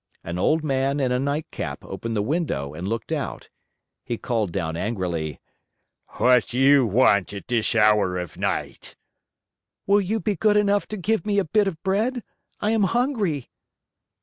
An old man in a nightcap opened the window and looked out. He called down angrily: "What do you want at this hour of night?" "Will you be good enough to give me a bit of bread? I am hungry."